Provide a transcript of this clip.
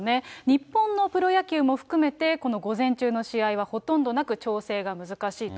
日本のプロ野球も含めて、この午前中の試合はほとんどなく、調整が難しいと。